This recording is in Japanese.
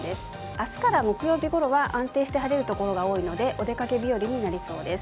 明日から木曜日ごろは安定して晴れるところが多いのでお出かけ日和になりそうです。